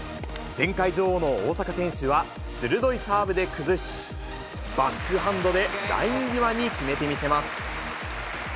前回女王の大坂選手は鋭いサーブで崩し、バックハンドでライン際に決めてみせます。